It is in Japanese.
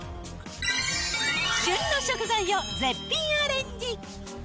旬の食材を絶品アレンジ。